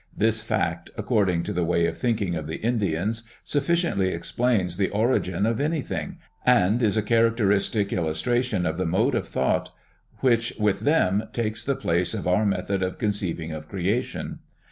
This fact according to the way of thinking of the Indians sufficiently explains the origin of anything, and is a characteristic illustra tion of the mode of thought which with them takes the place of our method of conceiving of creation.